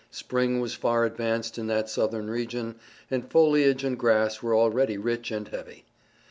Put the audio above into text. Spring was far advanced in that Southern region, and foliage and grass were already rich and heavy.